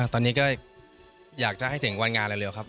ตอนนี้ก็อยากจะให้ถึงวันงานเร็วครับ